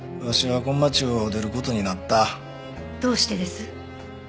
どうしてです？